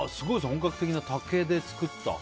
本格的な竹で作った。